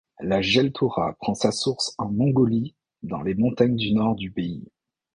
La Jeltoura prend sa source en Mongolie, dans les montagnes du nord du pays.